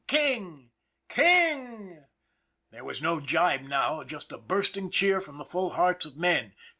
King ! King! " There was no gibe now just a bursting cheer from the full hearts of men.